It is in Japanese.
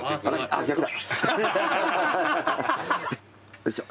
よいしょ。